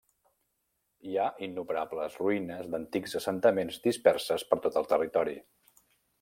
Hi ha innumerables ruïnes d'antics assentaments disperses per tot el territori.